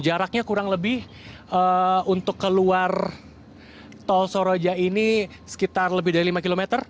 jaraknya kurang lebih untuk keluar tol soroja ini sekitar lebih dari lima km